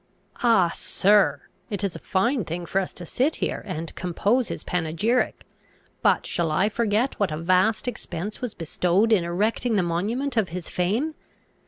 "Ah, sir! it is a fine thing for us to sit here and compose his panegyric. But shall I forget what a vast expense was bestowed in erecting the monument of his fame?